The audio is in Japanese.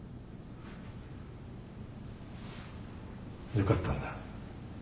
よかったんだ。